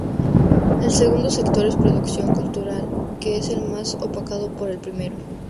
El segundo sector es producción cultural que es el más opacado por el primero.